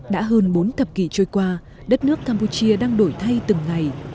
đã hơn bốn thập kỷ trôi qua đất nước campuchia đang đổi thay từng ngày